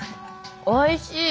おいしい。